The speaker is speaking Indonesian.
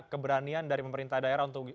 keberanian dari pemerintah daerah untuk